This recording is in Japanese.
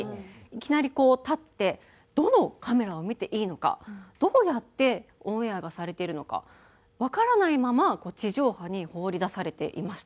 いきなりこう立ってどのカメラを見ていいのかどうやってオンエアがされてるのかわからないまま地上波に放り出されていました。